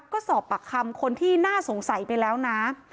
ก็สอบปากคำคนที่น่าสงสัยไปแล้วนะ